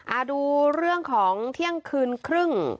ดูเรื่องของเที่ยงคืนครึ่ง